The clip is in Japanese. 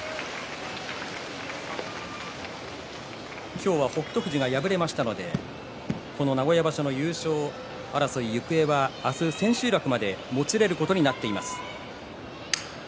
今日は北勝富士が敗れましたのでこの名古屋場所の優勝争いの行方は明日千秋楽までもつれることになっています。